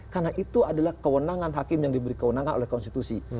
karena itu adalah kewenangan hakim yang diberi kewenangan oleh konstitusi